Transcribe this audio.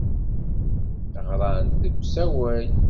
Ɣran-d deg usawal.